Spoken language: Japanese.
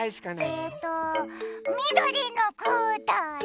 えっとみどりのください！